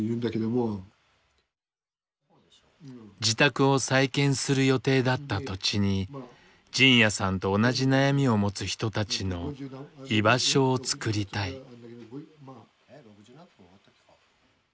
自宅を再建する予定だった土地に仁也さんと同じ悩みを持つ人たちの「居場所」をつくりたい。